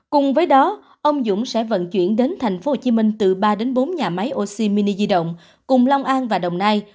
cùng với đó ông dũng sẽ vận chuyển đến tp hcm từ ba đến bốn nhà máy oxy mini di động cùng long an và đồng nai